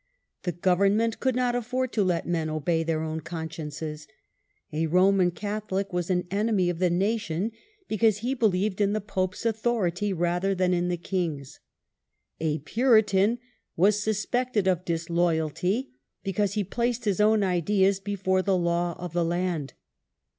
The government could not afford to let men obey their own consciences. A Roman Catholic was an enemy of the nation, because he believed in the pope's authority rather than in the king's. A Puritan was suspected of disloyalty because he placed his own ideas before the law of the land.